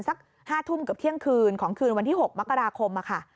สัก๕ทุ่มเกือบเที่ยงคืนของคืนวันที่๖มกราคมค่ะ